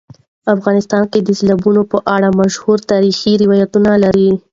افغانستان د سیلابونو په اړه مشهور تاریخی روایتونه لري.